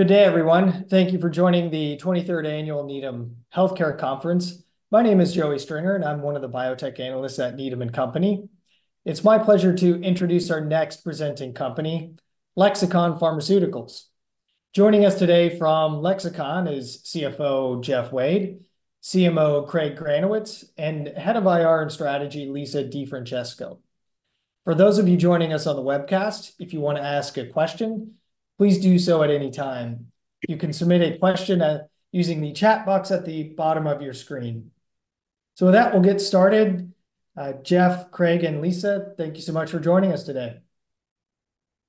Good day, everyone. Thank you for joining the 23rd Annual Needham Healthcare Conference. My name is Joey Stringer, and I'm one of the biotech analysts at Needham & Company. It's my pleasure to introduce our next presenting company, Lexicon Pharmaceuticals. Joining us today from Lexicon is CFO Jeff Wade, CMO Craig Granowitz, and Head of IR and Strategy Lisa DeFrancesco. For those of you joining us on the webcast, if you want to ask a question, please do so at any time. You can submit a question using the chat box at the bottom of your screen. So with that, we'll get started. Jeff, Craig, and Lisa, thank you so much for joining us today.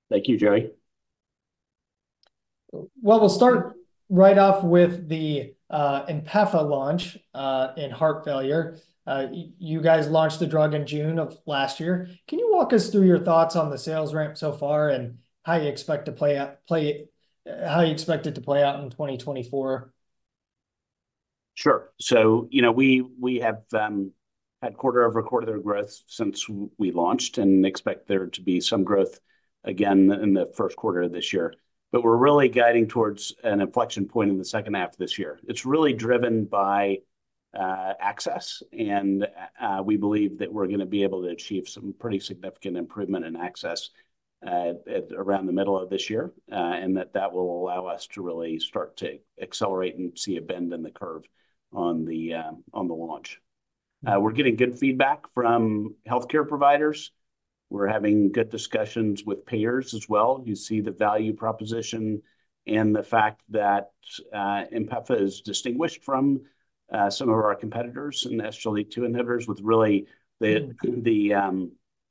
Thank you, Joey. Well, we'll start right off with the INPEFA launch in heart failure. You guys launched the drug in June of last year. Can you walk us through your thoughts on the sales ramp so far and how you expect it to play out in 2024? Sure. So, you know, we have had quarter-over-quarter growth since we launched and expect there to be some growth again in the first quarter of this year. But we're really guiding towards an inflection point in the second half of this year. It's really driven by access, and we believe that we're going to be able to achieve some pretty significant improvement in access around the middle of this year and that that will allow us to really start to accelerate and see a bend in the curve on the launch. We're getting good feedback from healthcare providers. We're having good discussions with payers as well. You see the value proposition and the fact that INPEFA is distinguished from some of our competitors and SGLT2 inhibitors with really the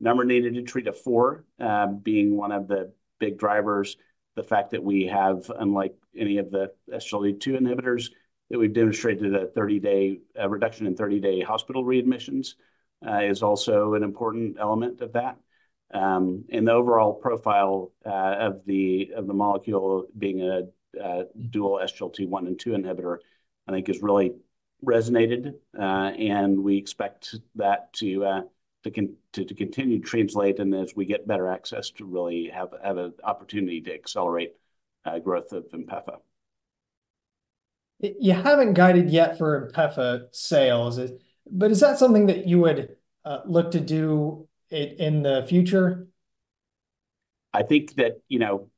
number needed to treat a 4 being one of the big drivers. The fact that we have, unlike any of the SGLT2 inhibitors, that we've demonstrated a 30-day reduction in 30-day hospital readmissions is also an important element of that. And the overall profile of the molecule being a dual SGLT1 and SGLT2 inhibitor, I think, has really resonated, and we expect that to continue to translate and as we get better access to really have an opportunity to accelerate growth of INPEFA. You haven't guided yet for INPEFA sales, but is that something that you would look to do in the future? I think that, you know,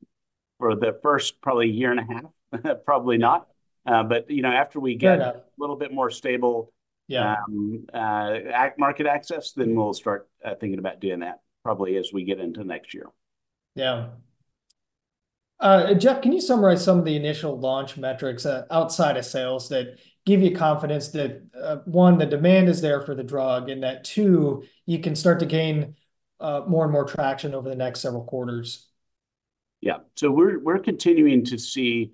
for the first probably year and a half, probably not. But, you know, after we get a little bit more stable market access, then we'll start thinking about doing that, probably as we get into next year. Yeah. Jeff, can you summarize some of the initial launch metrics outside of sales that give you confidence that, one, the demand is there for the drug and that, two, you can start to gain more and more traction over the next several quarters? Yeah. So we're continuing to see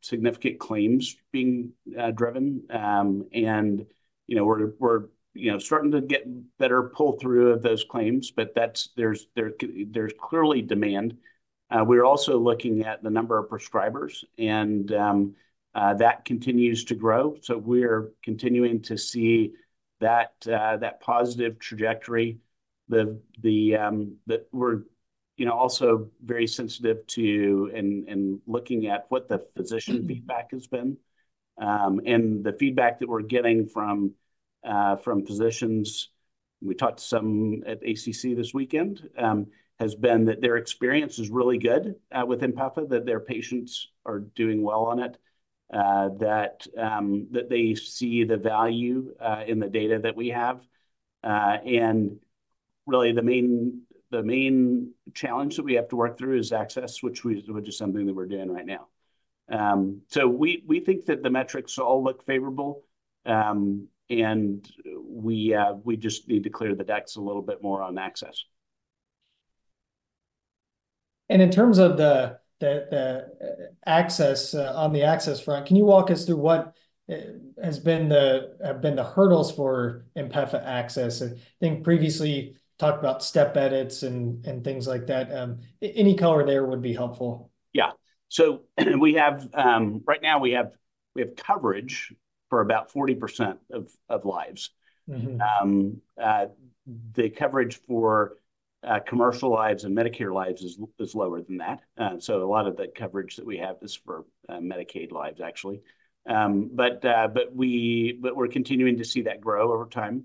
significant claims being driven. And, you know, we're, you know, starting to get better pull-through of those claims, but there's clearly demand. We're also looking at the number of prescribers, and that continues to grow. So we're continuing to see that positive trajectory. We're, you know, also very sensitive to and looking at what the physician feedback has been. And the feedback that we're getting from physicians—we talked to some at ACC this weekend—has been that their experience is really good with INPEFA, that their patients are doing well on it, that they see the value in the data that we have. And really, the main challenge that we have to work through is access, which is something that we're doing right now. We think that the metrics all look favorable, and we just need to clear the decks a little bit more on access. In terms of the access on the access front, can you walk us through what has been the hurdles for INPEFA access? I think previously talked about step edits and things like that. Any color there would be helpful. Yeah. So right now, we have coverage for about 40% of lives. The coverage for commercial lives and Medicare lives is lower than that. So a lot of the coverage that we have is for Medicaid lives, actually. But we're continuing to see that grow over time.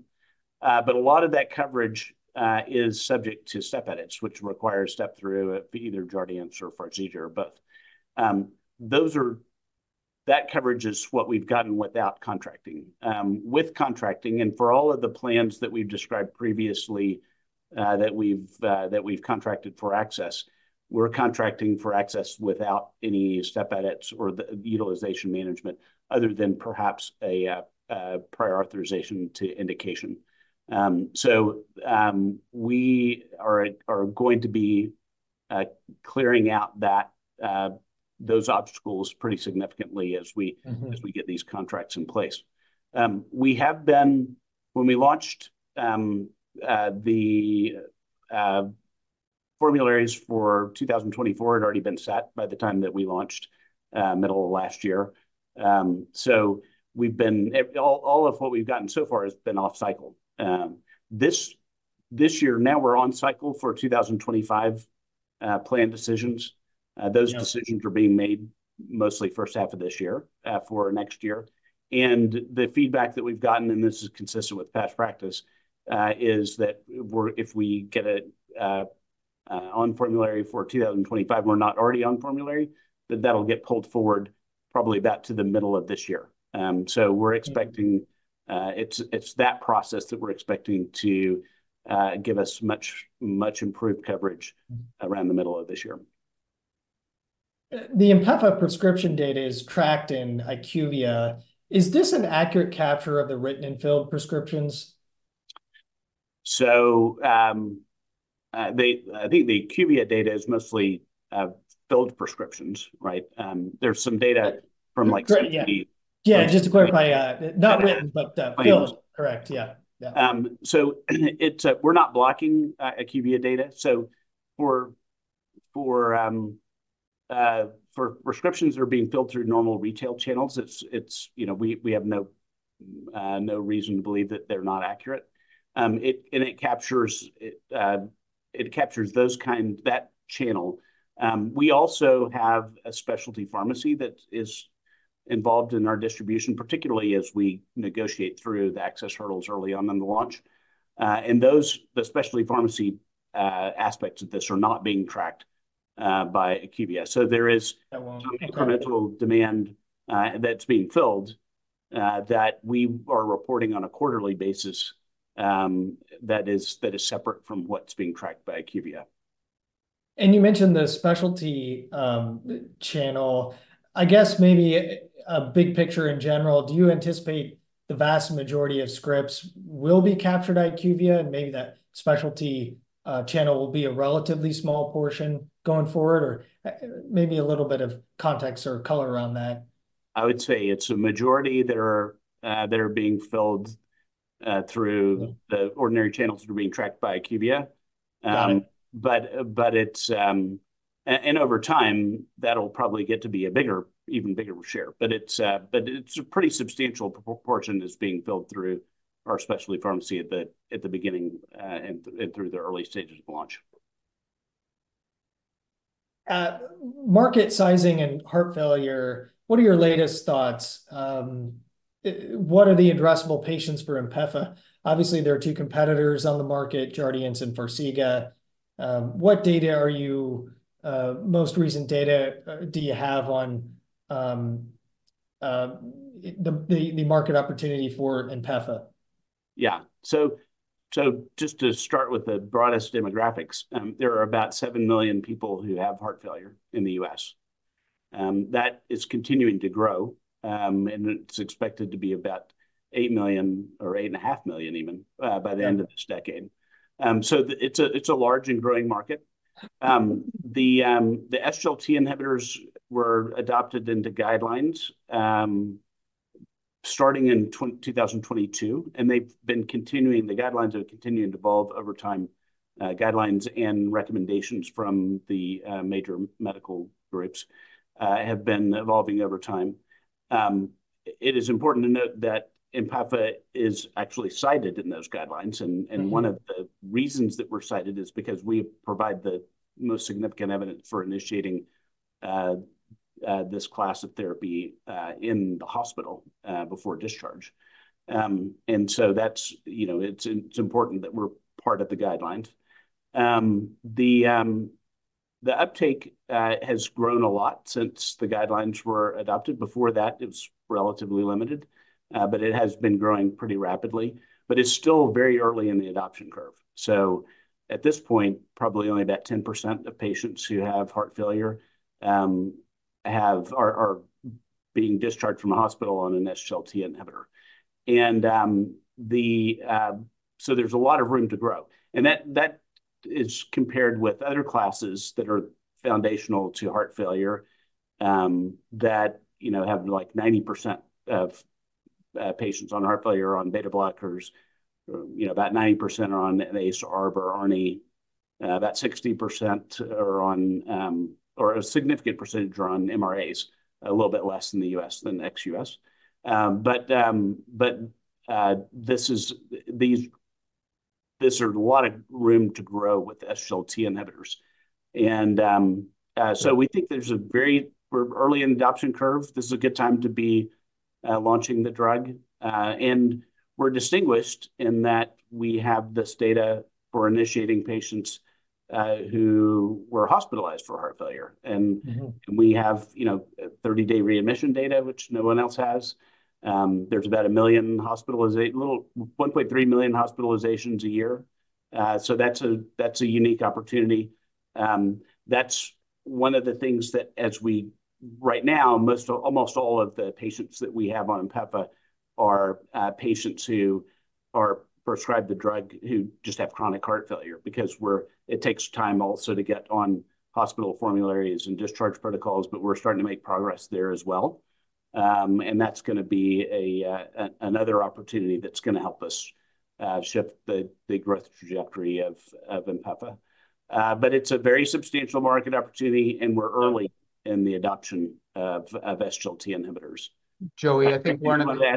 But a lot of that coverage is subject to step edits, which requires step-through for either Jardiance or Farxiga, or both. That coverage is what we've gotten without contracting. With contracting and for all of the plans that we've described previously that we've contracted for access, we're contracting for access without any step edits or utilization management other than perhaps a prior authorization to indication. So we are going to be clearing out those obstacles pretty significantly as we get these contracts in place. When we launched the formularies for 2024, it had already been set by the time that we launched middle of last year. So all of what we've gotten so far has been off cycle. This year, now we're on cycle for 2025 plan decisions. Those decisions are being made mostly first half of this year for next year. And the feedback that we've gotten, and this is consistent with past practice, is that if we get an on-formulary for 2025 and we're not already on-formulary, that that'll get pulled forward probably back to the middle of this year. So we're expecting it's that process that we're expecting to give us much improved coverage around the middle of this year. The INPEFA prescription data is tracked in IQVIA. Is this an accurate capture of the written and filled prescriptions? I think the IQVIA data is mostly filled prescriptions, right? There's some data from, like, CDP. Yeah, just to clarify, not written, but filled. Correct. Yeah. Yeah. So we're not blocking IQVIA data. Prescriptions are being filled through normal retail channels. You know, we have no reason to believe that they're not accurate. And it captures those kinds of channels. We also have a specialty pharmacy that is involved in our distribution, particularly as we negotiate through the access hurdles early on in the launch. And the specialty pharmacy aspects of this are not being tracked by IQVIA. So there is incremental demand that's being filled that we are reporting on a quarterly basis that is separate from what's being tracked by IQVIA. You mentioned the specialty channel. I guess maybe a big picture in general, do you anticipate the vast majority of scripts will be captured IQVIA, and maybe that specialty channel will be a relatively small portion going forward, or maybe a little bit of context or color around that? I would say it's a majority that are being filled through the ordinary channels that are being tracked by IQVIA. But over time, that'll probably get to be a bigger, even bigger share. But it's a pretty substantial portion that's being filled through our specialty pharmacy at the beginning and through the early stages of launch. Market sizing and heart failure, what are your latest thoughts? What are the addressable patients for INPEFA? Obviously, there are two competitors on the market, Jardiance and Farxiga. What are your most recent data do you have on the market opportunity for INPEFA? Yeah. So just to start with the broadest demographics, there are about 7 million people who have heart failure in the US That is continuing to grow, and it's expected to be about 8 million or 8.5 million even by the end of this decade. So it's a large and growing market. The SGLT2 inhibitors were adopted into guidelines starting in 2022, and they've been continuing. The guidelines have continued to evolve over time. Guidelines and recommendations from the major medical groups have been evolving over time. It is important to note that INPEFA is actually cited in those guidelines. And one of the reasons that we're cited is because we provide the most significant evidence for initiating this class of therapy in the hospital before discharge. And so that's important that we're part of the guidelines. The uptake has grown a lot since the guidelines were adopted. Before that, it was relatively limited, but it has been growing pretty rapidly, but it's still very early in the adoption curve. So at this point, probably only about 10% of patients who have heart failure are being discharged from the hospital on an SGLT2 inhibitor. And so there's a lot of room to grow. And that is compared with other classes that are foundational to heart failure that have like 90% of patients on heart failure are on beta blockers. About 90% are on an ACE or ARB or ARNI. About 60% are on or a significant percentage are on MRAs, a little bit less in the US than ex-US But these are a lot of room to grow with SGLT2 inhibitors. And so we think there's a very we're early in the adoption curve. This is a good time to be launching the drug. We're distinguished in that we have this data for initiating patients who were hospitalized for heart failure. We have 30-day readmission data, which no one else has. There's about 1 million hospitalizations a little 1.3 million hospitalizations a year. So that's a unique opportunity. That's one of the things that as we right now, almost all of the patients that we have on INPEFA are patients who are prescribed the drug who just have chronic heart failure because it takes time also to get on hospital formularies and discharge protocols, but we're starting to make progress there as well. That's going to be another opportunity that's going to help us shift the growth trajectory of INPEFA. It's a very substantial market opportunity, and we're early in the adoption of SGLT2 inhibitors.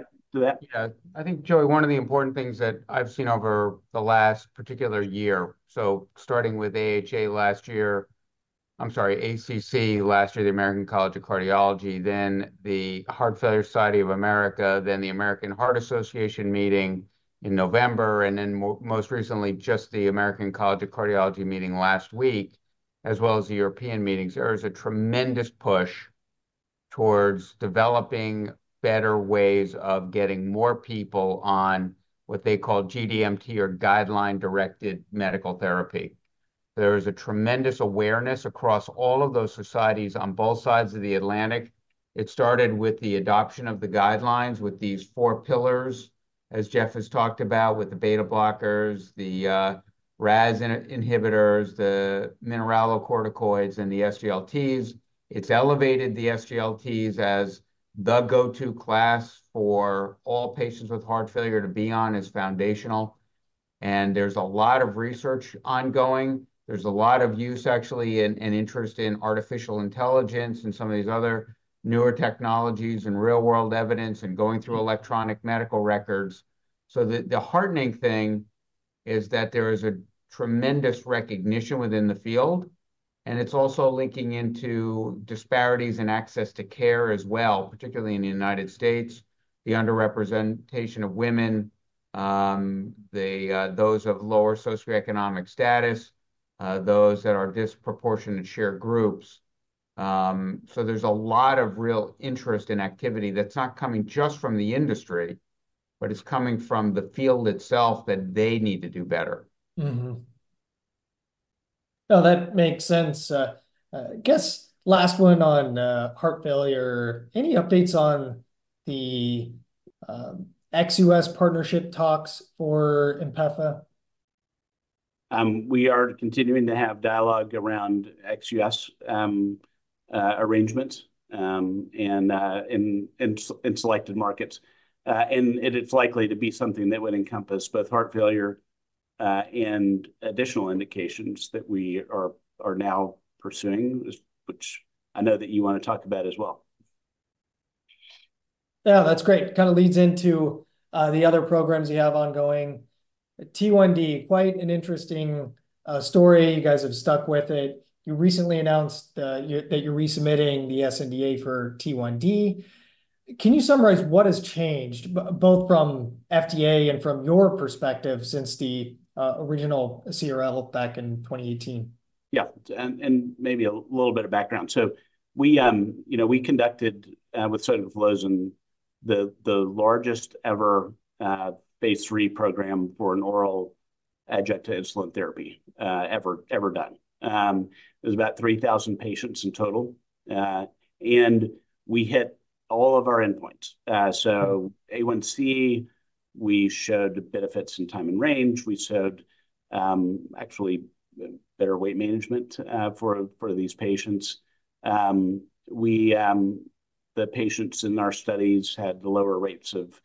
Yeah. I think, Joey, one of the important things that I've seen over the last particular year, so starting with AHA last year. I'm sorry, ACC last year, the American College of Cardiology, then the Heart Failure Society of America, then the American Heart Association meeting in November, and then most recently, just the American College of Cardiology meeting last week, as well as the European meetings. There is a tremendous push towards developing better ways of getting more people on what they call GDMT or guideline-directed medical therapy. There is a tremendous awareness across all of those societies on both sides of the Atlantic. It started with the adoption of the guidelines with these four pillars, as Jeff has talked about, with the beta blockers, the RAAS inhibitors, the mineralocorticoids, and the SGLT2s. It's elevated the SGLT2s as the go-to class for all patients with heart failure to be on as foundational. There's a lot of research ongoing. There's a lot of use, actually, and interest in artificial intelligence and some of these other newer technologies and real-world evidence and going through electronic medical records. So the heartening thing is that there is a tremendous recognition within the field, and it's also linking into disparities in access to care as well, particularly in the United States, the underrepresentation of women, those of lower socioeconomic status, those that are disproportionate share groups. So there's a lot of real interest and activity that's not coming just from the industry, but it's coming from the field itself that they need to do better. No, that makes sense. I guess last one on heart failure, any updates on the ex-US partnership talks for INPEFA? We are continuing to have dialogue around ex-US arrangements in selected markets. It's likely to be something that would encompass both heart failure and additional indications that we are now pursuing, which I know that you want to talk about as well. Yeah, that's great. Kind of leads into the other programs you have ongoing. T1D, quite an interesting story. You guys have stuck with it. You recently announced that you're resubmitting the SNDA for T1D. Can you summarize what has changed, both from FDA and from your perspective, since the original CRL back in 2018? Yeah. And maybe a little bit of background. So we conducted with sotagliflozin the largest-ever phase III program for an oral adjunctive insulin therapy ever done. It was about 3,000 patients in total. And we hit all of our endpoints. So A1c, we showed benefits in time and range. We showed actually better weight management for these patients. The patients in our studies had the lower rates of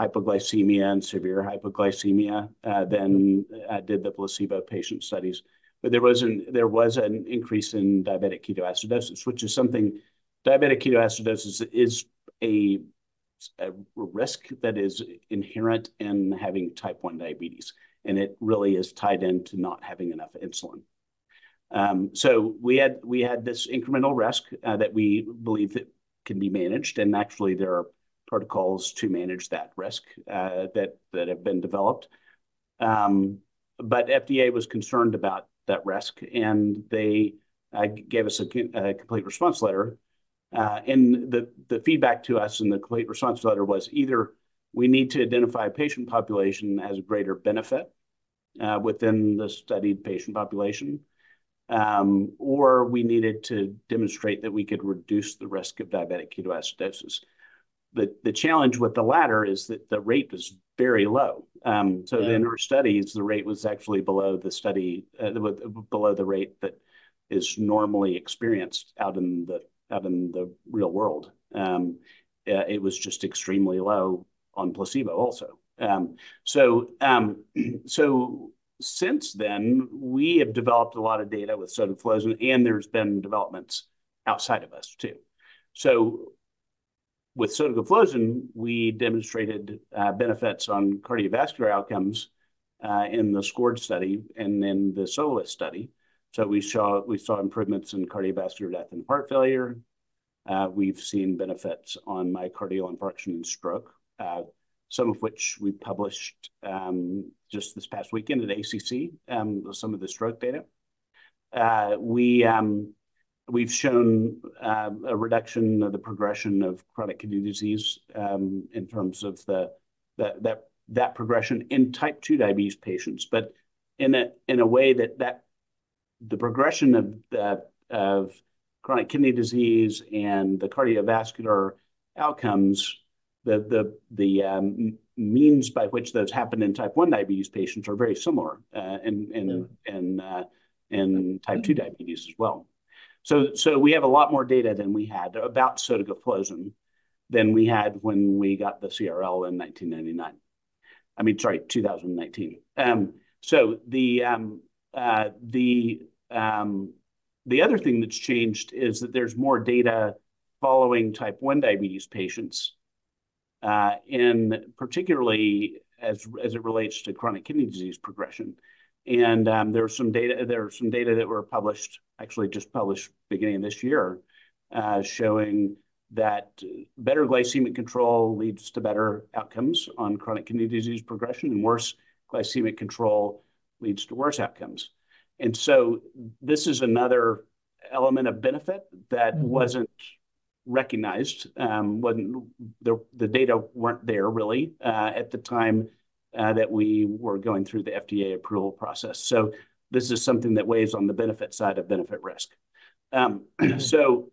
hypoglycemia and severe hypoglycemia than did the placebo patient studies. But there was an increase in diabetic ketoacidosis, which is something diabetic ketoacidosis is a risk that is inherent in having type 1 diabetes. And it really is tied into not having enough insulin. So we had this incremental risk that we believe that can be managed. And actually, there are protocols to manage that risk that have been developed. But FDA was concerned about that risk, and they gave us a complete response letter. And the feedback to us in the complete response letter was either we need to identify a patient population as a greater benefit within the studied patient population, or we needed to demonstrate that we could reduce the risk of diabetic ketoacidosis. The challenge with the latter is that the rate was very low. So in our studies, the rate was actually below the rate that is normally experienced out in the real world. It was just extremely low on placebo also. So since then, we have developed a lot of data with sotagliflozin, and there's been developments outside of us too. So with sotagliflozin, we demonstrated benefits on cardiovascular outcomes in the SCORED study and in the SOLOIST study. So we saw improvements in cardiovascular death and heart failure. We've seen benefits on myocardial infarction and stroke, some of which we published just this past weekend at ACC, some of the stroke data. We've shown a reduction of the progression of chronic kidney disease in terms of that progression in type 2 diabetes patients, but in a way that the progression of chronic kidney disease and the cardiovascular outcomes, the means by which those happen in type 1 diabetes patients are very similar in type 2 diabetes as well. So we have a lot more data than we had about sotagliflozin than we had when we got the CRL in 1999. I mean, sorry, 2019. So the other thing that's changed is that there's more data following type 1 diabetes patients, particularly as it relates to chronic kidney disease progression. There's some data that were published, actually just published beginning of this year, showing that better glycemic control leads to better outcomes on chronic kidney disease progression, and worse glycemic control leads to worse outcomes. And so this is another element of benefit that wasn't recognized. The data weren't there really at the time that we were going through the FDA approval process. So this is something that weighs on the benefit side of benefit risk. So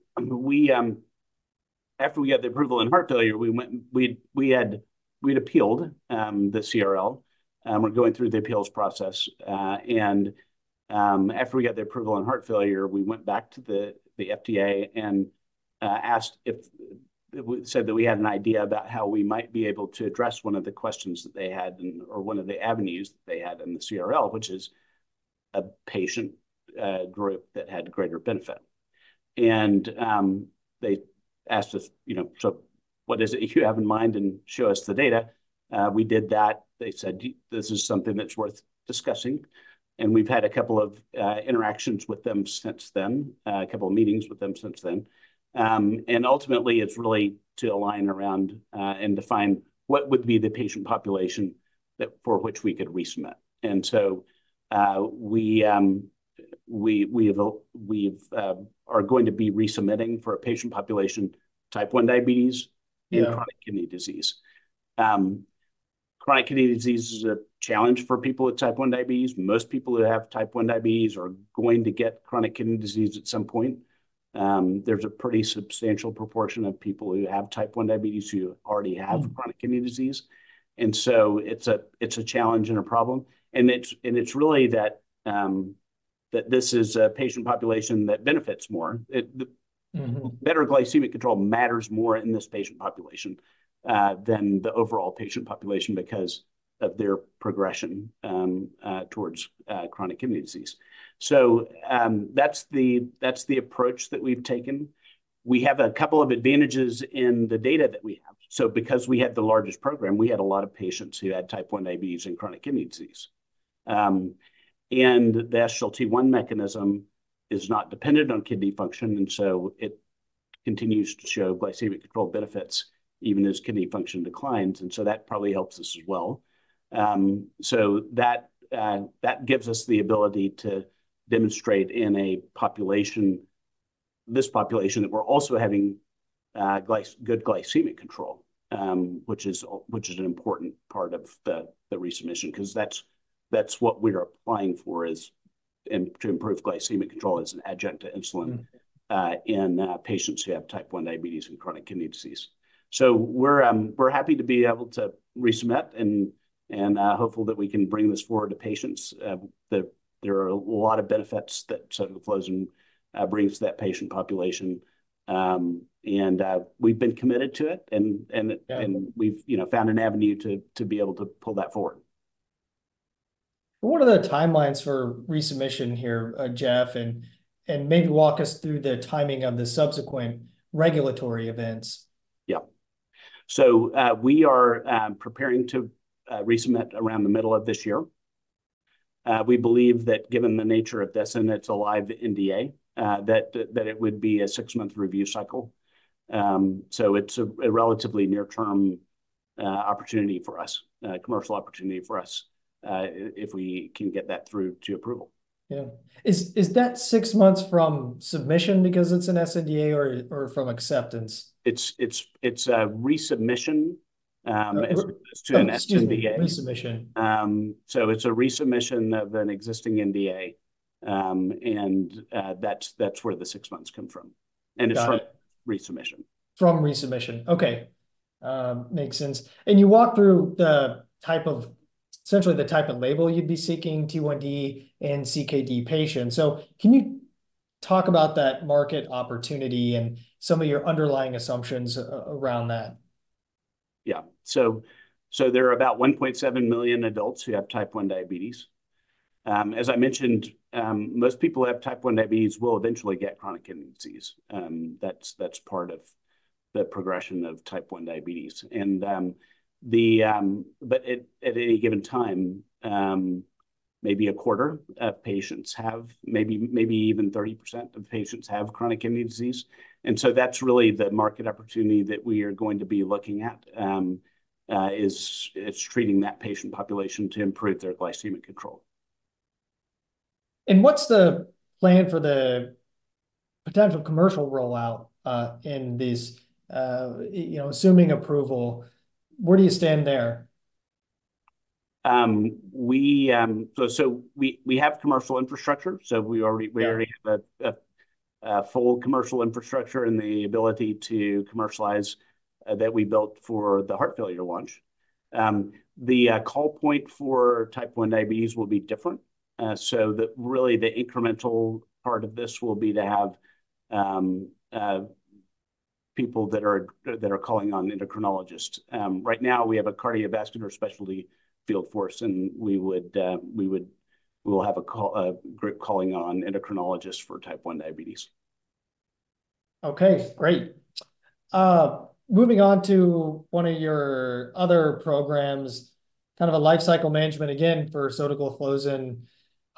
after we got the approval in heart failure, we had appealed the CRL. We're going through the appeals process. After we got the approval in heart failure, we went back to the FDA and asked if we said that we had an idea about how we might be able to address one of the questions that they had or one of the avenues that they had in the CRL, which is a patient group that had greater benefit. They asked us, "So what is it you have in mind? And show us the data." We did that. They said, "This is something that's worth discussing." We've had a couple of interactions with them since then, a couple of meetings with them since then. Ultimately, it's really to align around and define what would be the patient population for which we could resubmit. So we are going to be resubmitting for a patient population type 1 diabetes and chronic kidney disease. Chronic kidney disease is a challenge for people with type 1 diabetes. Most people who have type 1 diabetes are going to get chronic kidney disease at some point. There's a pretty substantial proportion of people who have type 1 diabetes who already have chronic kidney disease. And so it's a challenge and a problem. And it's really that this is a patient population that benefits more. Better glycemic control matters more in this patient population than the overall patient population because of their progression towards chronic kidney disease. So that's the approach that we've taken. We have a couple of advantages in the data that we have. So because we had the largest program, we had a lot of patients who had type 1 diabetes and chronic kidney disease. The SGLT1 mechanism is not dependent on kidney function, and so it continues to show glycemic control benefits even as kidney function declines. That probably helps us as well. That gives us the ability to demonstrate in this population that we're also having good glycemic control, which is an important part of the resubmission because that's what we're applying for to improve glycemic control as an adjunct to insulin in patients who have type 1 diabetes and chronic kidney disease. We're happy to be able to resubmit and hopeful that we can bring this forward to patients. There are a lot of benefits that sotagliflozin brings to that patient population. We've been committed to it, and we've found an avenue to be able to pull that forward. What are the timelines for resubmission here, Jeff, and maybe walk us through the timing of the subsequent regulatory events? Yeah. So we are preparing to resubmit around the middle of this year. We believe that given the nature of this and it's a live NDA, that it would be a six-month review cycle. So it's a relatively near-term opportunity for us, commercial opportunity for us, if we can get that through to approval. Yeah. Is that six months from submission because it's an sNDA or from acceptance? It's a resubmission as opposed to an sNDA. Resubmission. It's a resubmission of an existing NDA, and that's where the six months come from. It's from resubmission. From resubmission. Okay. Makes sense. And you walk through essentially the type of label you'd be seeking, T1D and CKD patients. So can you talk about that market opportunity and some of your underlying assumptions around that? Yeah. So there are about 1.7 million adults who have type 1 diabetes. As I mentioned, most people who have type 1 diabetes will eventually get chronic kidney disease. That's part of the progression of type 1 diabetes. But at any given time, maybe a quarter of patients have, maybe even 30% of patients have chronic kidney disease. And so that's really the market opportunity that we are going to be looking at. It's treating that patient population to improve their glycemic control. What's the plan for the potential commercial rollout in this, assuming approval? Where do you stand there? We have commercial infrastructure. We already have a full commercial infrastructure and the ability to commercialize that we built for the heart failure launch. The call point for type 1 diabetes will be different. Really, the incremental part of this will be to have people that are calling on endocrinologists. Right now, we have a cardiovascular specialty field force, and we will have a group calling on endocrinologists for type 1 diabetes. Okay. Great. Moving on to one of your other programs, kind of a lifecycle management again for sotagliflozin,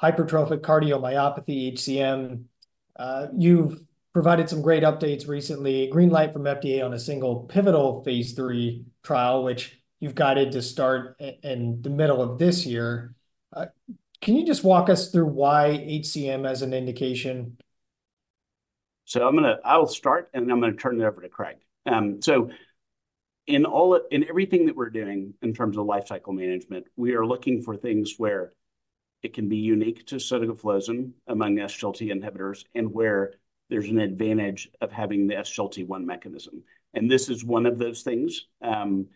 hypertrophic cardiomyopathy, HCM. You've provided some great updates recently, green light from FDA on a single pivotal phase III trial, which you've guided to start in the middle of this year. Can you just walk us through why HCM as an indication? So I'll start, and then I'm going to turn it over to Craig. So in everything that we're doing in terms of lifecycle management, we are looking for things where it can be unique to among SGLT inhibitors and where there's an advantage of having the SGLT1 mechanism. And this is one of those things. And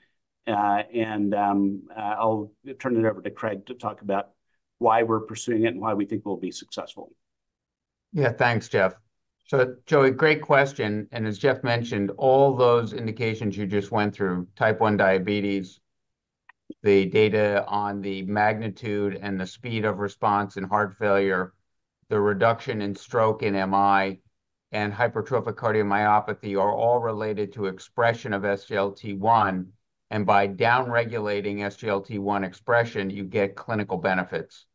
I'll turn it over to Craig to talk about why we're pursuing it and why we think we'll be successful. Yeah. Thanks, Jeff. So, Joey, great question. And as Jeff mentioned, all those indications you just went through, type 1 diabetes, the data on the magnitude and the speed of response in heart failure, the reduction in stroke and MI, and hypertrophic cardiomyopathy are all related to expression of SGLT1. And by downregulating SGLT1 expression, you get clinical benefits.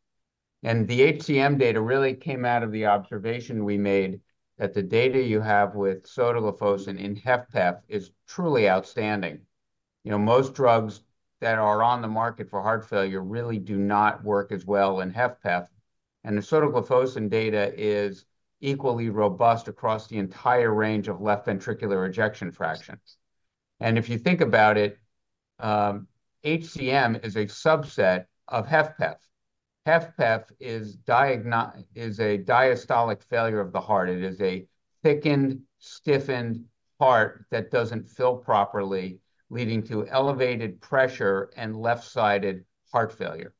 And the HCM data really came out of the observation we made that the data you have with sotagliflozin in HFpEF is truly outstanding. Most drugs that are on the market for heart failure really do not work as well in HFpEF. And the sotagliflozin data is equally robust across the entire range of left ventricular ejection fraction. And if you think about it, HCM is a subset of HFpEF. HFpEF is a diastolic failure of the heart. It is a thickened, stiffened heart that doesn't fill properly, leading to elevated pressure and left-sided heart failure.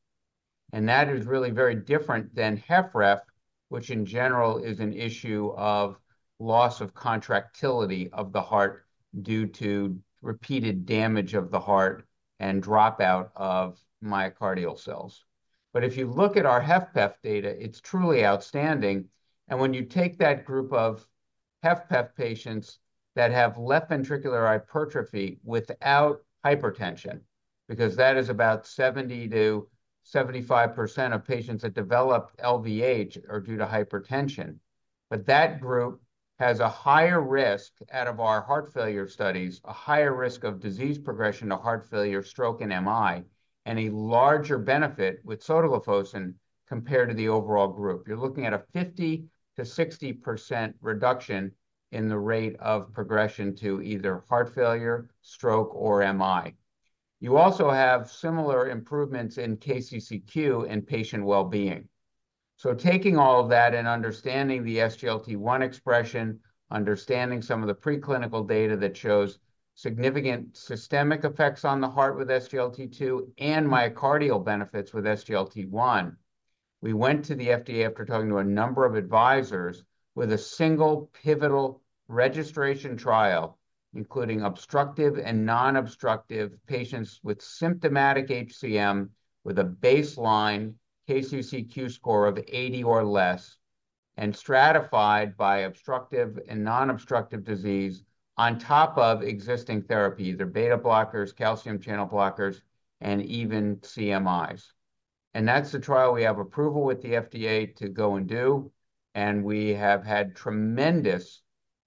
That is really very different than HFrEF, which in general is an issue of loss of contractility of the heart due to repeated damage of the heart and dropout of myocardial cells. But if you look at our HFpEF data, it's truly outstanding. And when you take that group of HFpEF patients that have left ventricular hypertrophy without hypertension because that is about 70% to 75% of patients that develop LVH are due to hypertension, but that group has a higher risk out of our heart failure studies, a higher risk of disease progression to heart failure, stroke, and MI, and a larger benefit with sotagliflozin compared to the overall group. You're looking at a 50% to 60% reduction in the rate of progression to either heart failure, stroke, or MI. You also have similar improvements in KCCQ and patient well-being. So taking all of that and understanding the SGLT1 expression, understanding some of the preclinical data that shows significant systemic effects on the heart with SGLT2 and myocardial benefits with SGLT1, we went to the FDA after talking to a number of advisors with a single pivotal registration trial, including obstructive and non-obstructive patients with symptomatic HCM with a baseline KCCQ score of 80 or less and stratified by obstructive and non-obstructive disease on top of existing therapies, either beta-blockers, calcium channel blockers, and even CMIs. And that's the trial we have approval with the FDA to go and do. And we have had tremendous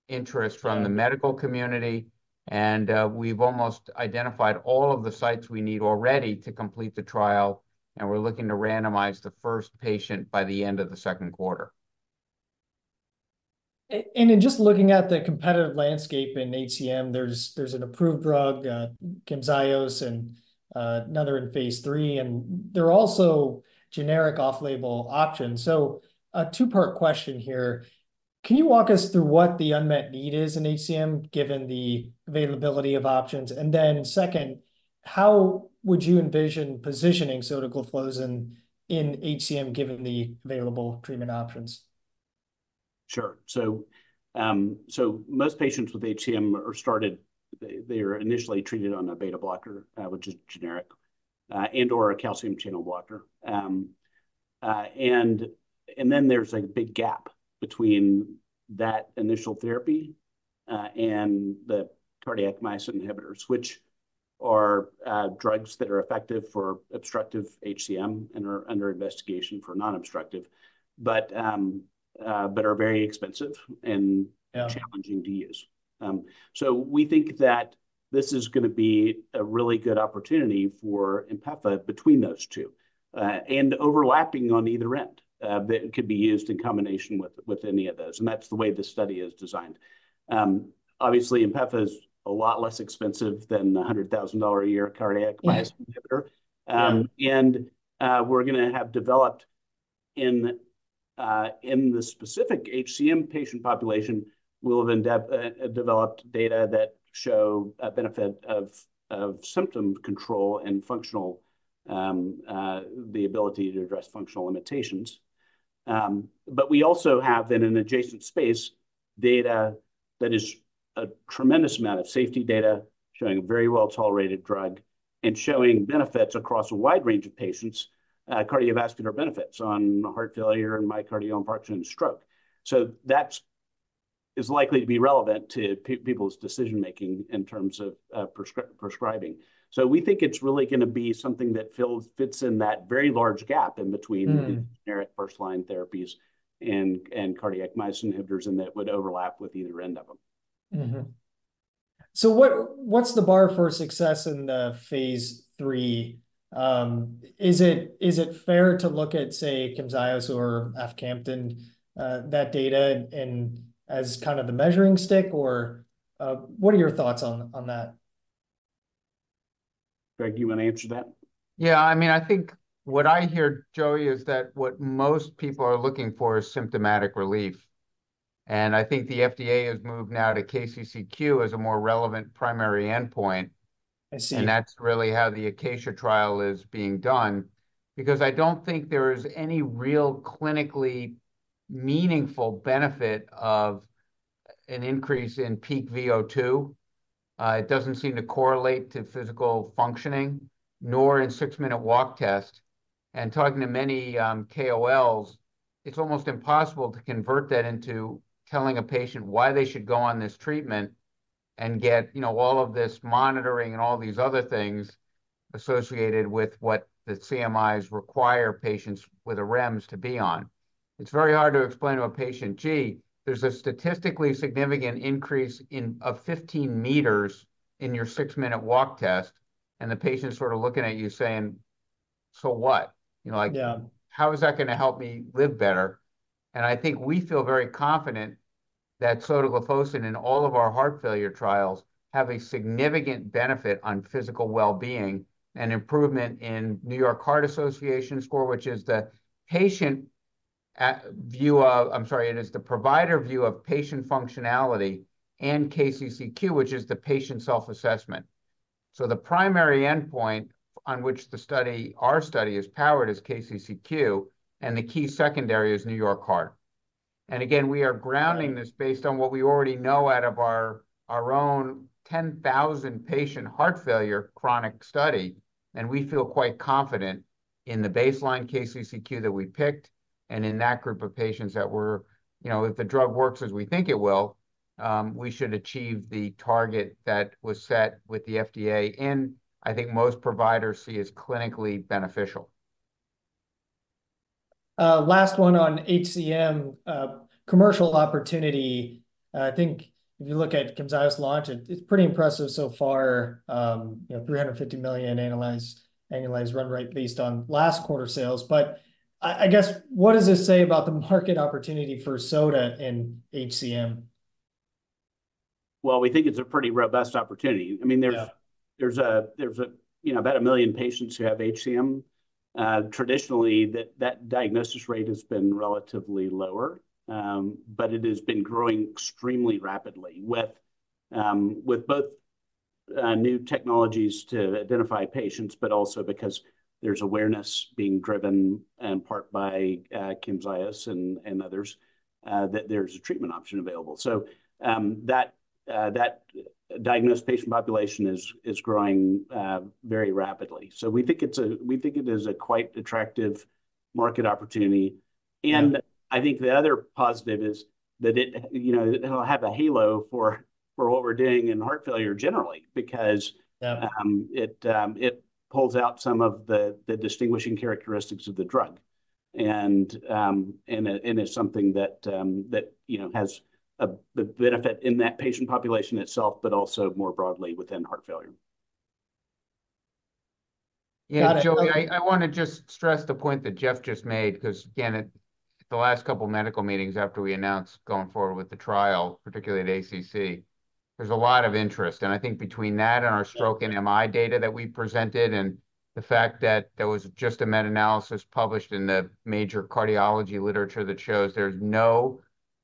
interest from the medical community. We've almost identified all of the sites we need already to complete the trial. We're looking to randomize the first patient by the end of the second quarter. In just looking at the competitive landscape in HCM, there's an approved drug, Camzyos, and another in phase III. And they're also generic off-label options. So a two-part question here. Can you walk us through what the unmet need is in HCM given the availability of options? And then second, how would you envision positioning sotagliflozin in HCM given the available treatment options? Sure. So most patients with HCM are initially treated on a beta-blocker, which is generic, and/or a calcium channel blocker. And then there's a big gap between that initial therapy and the cardiac myosin inhibitors, which are drugs that are effective for obstructive HCM and are under investigation for non-obstructive but are very expensive and challenging to use. So we think that this is going to be a really good opportunity for INPEFA between those two and overlapping on either end that could be used in combination with any of those. And that's the way the study is designed. Obviously, INPEFA is a lot less expensive than the $100,000-a-year cardiac myosin inhibitor. And we're going to have developed in the specific HCM patient population, we'll have developed data that show a benefit of symptom control and the ability to address functional limitations. But we also have then an adjacent space data that is a tremendous amount of safety data showing a very well-tolerated drug and showing benefits across a wide range of patients, cardiovascular benefits on heart failure and myocardial infarction and stroke. So that is likely to be relevant to people's decision-making in terms of prescribing. So we think it's really going to be something that fits in that very large gap in between the generic first-line therapies and cardiac myosin inhibitors and that would overlap with either end of them. What's the bar for success in the phase III? Is it fair to look at, say, Camzyos or Aficamten, that data, as kind of the measuring stick, or what are your thoughts on that? Craig, do you want to answer that? Yeah. I mean, I think what I hear, Joey, is that what most people are looking for is symptomatic relief. And I think the FDA has moved now to KCCQ as a more relevant primary endpoint. And that's really how the ACACIA trial is being done because I don't think there is any real clinically meaningful benefit of an increase in peak VO2. It doesn't seem to correlate to physical functioning, nor in six-minute walk test. And talking to many KOLs, it's almost impossible to convert that into telling a patient why they should go on this treatment and get all of this monitoring and all these other things associated with what the CMIs require patients with a REMS to be on. It's very hard to explain to a patient, "Gee, there's a statistically significant increase of 15 meters in your six-minute walk test," and the patient's sort of looking at you saying, "So what? How is that going to help me live better?" And I think we feel very confident that sotagliflozin in all of our heart failure trials have a significant benefit on physical well-being and improvement in New York Heart Association score, which is the patient view of I'm sorry, it is the provider view of patient functionality and KCCQ, which is the patient self-assessment. So the primary endpoint on which our study is powered is KCCQ, and the key secondary is New York Heart. And again, we are grounding this based on what we already know out of our own 10,000-patient heart failure chronic study. We feel quite confident in the baseline KCCQ that we picked and in that group of patients that if the drug works as we think it will, we should achieve the target that was set with the FDA and I think most providers see as clinically beneficial. Last one on HCM, commercial opportunity. I think if you look at Camzyos launch, it's pretty impressive so far, $350 million annualized run rate based on last quarter sales. But I guess, what does this say about the market opportunity for sotagliflozin in HCM? Well, we think it's a pretty robust opportunity. I mean, there's about 1 million patients who have HCM. Traditionally, that diagnosis rate has been relatively lower, but it has been growing extremely rapidly with both new technologies to identify patients, but also because there's awareness being driven in part by Camzyos and others that there's a treatment option available. So that diagnosed patient population is growing very rapidly. So we think it is a quite attractive market opportunity. And I think the other positive is that it'll have a halo for what we're doing in heart failure generally because it pulls out some of the distinguishing characteristics of the drug. And it's something that has the benefit in that patient population itself, but also more broadly within heart failure. Yeah. Joey, I want to just stress the point that Jeff just made because, again, at the last couple of medical meetings after we announced going forward with the trial, particularly at ACC, there's a lot of interest. I think between that and our stroke and MI data that we presented and the fact that there was just a meta-analysis published in the major cardiology literature that shows there's no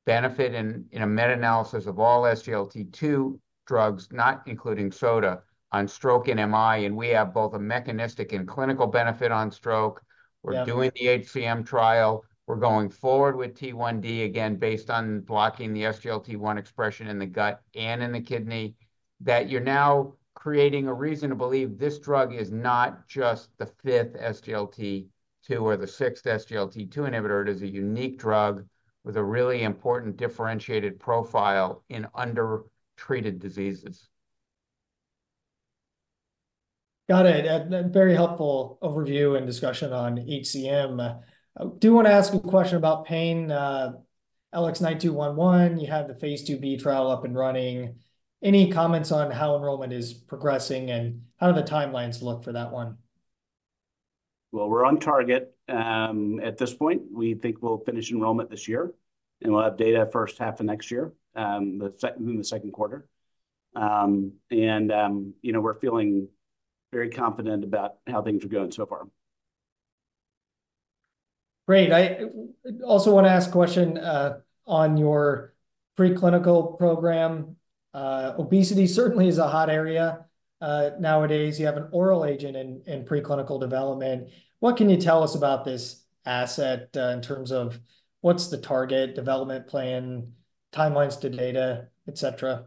benefit in a meta-analysis of all SGLT2 drugs, not including sotagliflozin, on stroke and MI. We have both a mechanistic and clinical benefit on stroke. We're doing the HCM trial. We're going forward with T1D, again, based on blocking the SGLT1 expression in the gut and in the kidney, that you're now creating a reason to believe this drug is not just the fifth SGLT2 or the sixth SGLT2 inhibitor. It is a unique drug with a really important differentiated profile in undertreated diseases. Got it. Very helpful overview and discussion on HCM. I do want to ask a question about pain, LX9211. You have the phase IIB trial up and running. Any comments on how enrollment is progressing and how do the timelines look for that one? Well, we're on target at this point. We think we'll finish enrollment this year, and we'll have data first half of next year, in the second quarter. We're feeling very confident about how things are going so far. Great. I also want to ask a question on your preclinical program. Obesity certainly is a hot area nowadays. You have an oral agent in preclinical development. What can you tell us about this asset in terms of what's the target, development plan, timelines to data, etc.?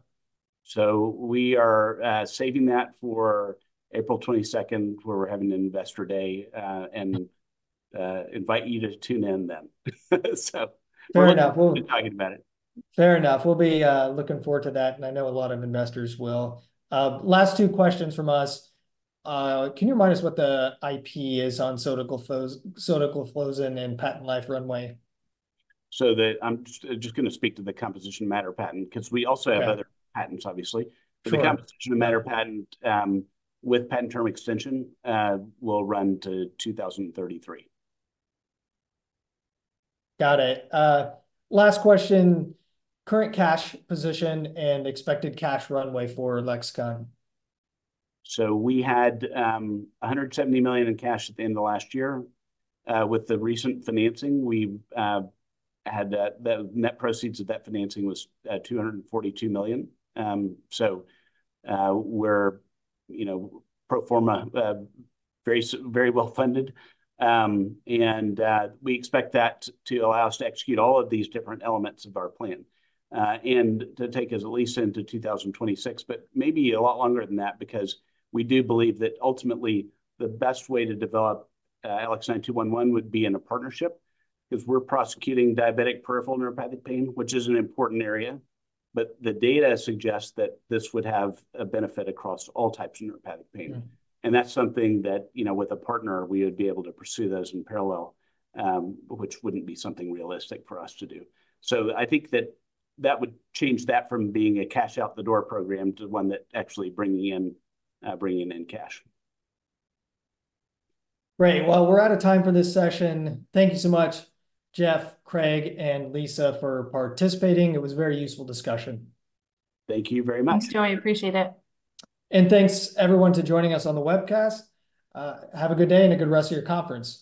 So we are saving that for 22 April, where we're having an investor day, and invite you to tune in then. So we'll be talking about it. Fair enough. We'll be looking forward to that, and I know a lot of investors will. Last two questions from us. Can you remind us what the IP is on sotagliflozin and patent life runway? I'm just going to speak to the composition of matter patent because we also have other patents, obviously. The composition of matter patent with patent term extension will run to 2033. Got it. Last question, current cash position and expected cash runway for Lexicon? So we had $170 million in cash at the end of last year. With the recent financing, we had the net proceeds of that financing was $242 million. So we're pro forma, very well-funded. And we expect that to allow us to execute all of these different elements of our plan and to take us at least into 2026, but maybe a lot longer than that because we do believe that ultimately, the best way to develop LX9211 would be in a partnership because we're prosecuting diabetic peripheral neuropathic pain, which is an important area. But the data suggests that this would have a benefit across all types of neuropathic pain. And that's something that with a partner, we would be able to pursue those in parallel, which wouldn't be something realistic for us to do. I think that that would change that from being a cash-out-the-door program to one that actually bringing in cash. Great. Well, we're out of time for this session. Thank you so much, Jeff, Craig, and Lisa for participating. It was a very useful discussion. Thank you very much. Thanks, Joey. Appreciate it. Thanks, everyone, for joining us on the webcast. Have a good day and a good rest of your conference.